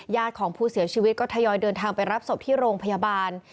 ของผู้เสียชีวิตก็ทยอยเดินทางไปรับศพที่โรงพยาบาล